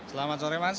selamat sore mas